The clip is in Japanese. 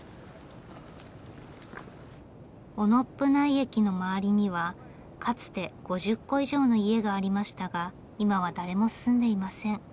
雄信内駅の周りにはかつて５０戸以上の家がありましたが今は誰も住んでいません。